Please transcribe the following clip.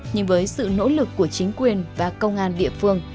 nhưng với sự nỗ lực của chính quyền và công an địa phương